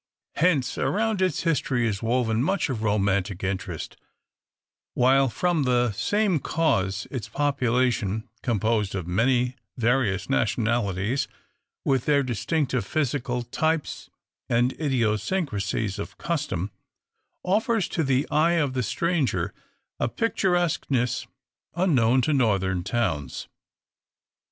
Hence, around its history is woven much of romantic interest; while from the same cause its population, composed of many various nationalities, with their distinctive physical types and idiosyncracies of custom, offers to the eye of the stranger a picturesqueness unknown to northern towns.